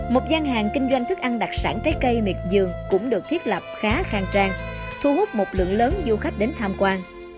một gian hàng kinh doanh thức ăn đặc sản trái cây miệt dường cũng được thiết lập khá khang trang thu hút một lượng lớn du khách đến tham quan